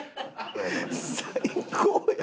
最高や。